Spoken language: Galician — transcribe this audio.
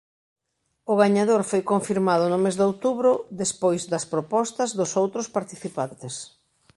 O gañador foi confirmado no mes de outubro despois das propostas dos outros participantes.